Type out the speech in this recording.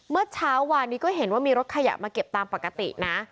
เมื่อเช้าวานนี้ก็เห็นว่ามีรถขยะมาเก็บตามปกตินะ